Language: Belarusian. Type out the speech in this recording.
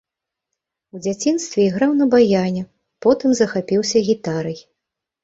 У дзяцінстве іграў на баяне, потым захапіўся гітарай.